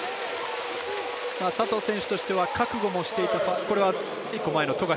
佐藤選手としては覚悟もしていたファウル。